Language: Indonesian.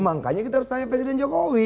makanya kita harus tanya presiden jokowi